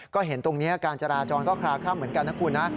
ก็เห็นตรงนี้การจราจรก็คลาคล่ำเหมือนกันนะคุณนะ